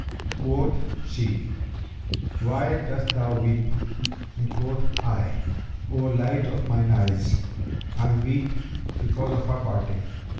Quoth she, 'Why dost thou weep?'; and quoth I, 'O light of mine eyes, I weep because of our parting.'